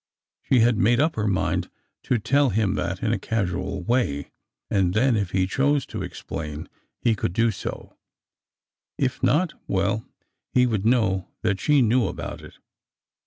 She had made up her mind to tell him that in a casual way, and then if he chose to explain he could do so; if not — well, he would know that she knew about it.